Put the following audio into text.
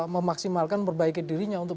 memaksimalkan berbaiki dirinya untuk